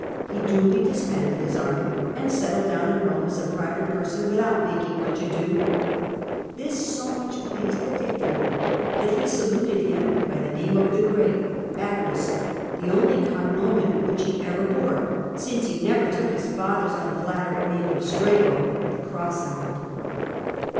He duly disbanded his army and settled down in Eome as a private person without making much ado. This so much pleased the dictator that he saluted him by the name of " the great" — Magnus — the only cognomen which he ever bore, since he never took his father's unflattering name of Strabo —" the cross eyed."